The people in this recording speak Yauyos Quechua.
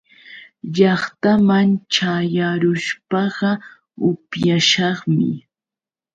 Llaqtaman ćhayarushpaqa upyashaqmi.